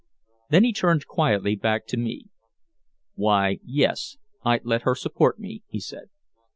Then he turned quietly back to me. "Why yes I'd let her support me," he said.